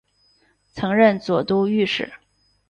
曾任左都御史。